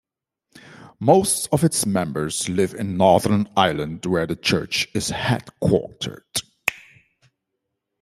Most of its members live in Northern Ireland, where the church is headquartered.